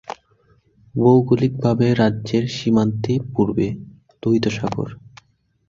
ভৌগোলিকভাবে, রাজ্যের সীমান্তে পূর্বে, লোহিত সাগর।